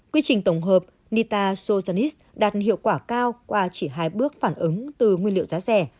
quy trình tổng hợp nita sotenis đạt hiệu quả cao qua chỉ hai bước phản ứng từ nguyên liệu giá rẻ